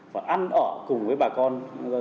và ăn ở cùng với bà con